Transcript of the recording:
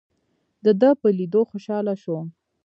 دده په لیدو خوشاله شوم.